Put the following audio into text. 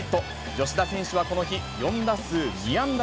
吉田選手はこの日、４打数２安打